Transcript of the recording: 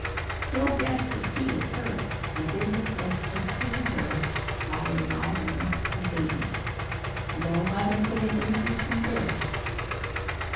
Phil guessed that she was hurt, and did his best to soothe her by admiring her babies. No mother could have resisted this.